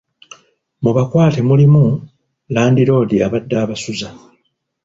Mu bakwate mulimu; Landiroodi abadde abasuza.